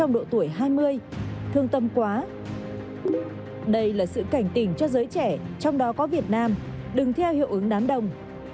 đây là sự cảnh tình cho giới trẻ trong đó có việt nam đừng theo hiệu ứng đám đông